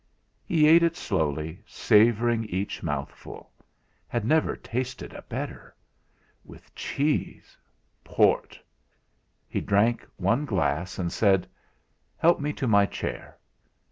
He ate it slowly, savouring each mouthful; had never tasted a better. With cheese port! He drank one glass, and said: "Help me to my chair."